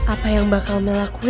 apa yang bakal melakuin ke gue